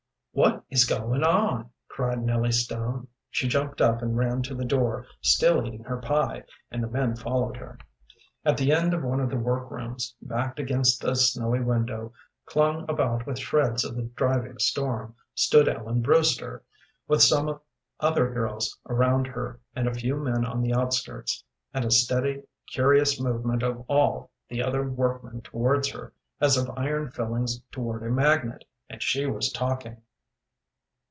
"What is going on?" cried Nellie Stone. She jumped up and ran to the door, still eating her pie, and the men followed her. At the end of one of the work rooms, backed against a snowy window, clung about with shreds of the driving storm, stood Ellen Brewster, with some other girls around her, and a few men on the outskirts, and a steady, curious movement of all the other workmen towards her, as of iron filings towards a magnet, and she was talking.